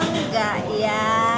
masih kenal gak ya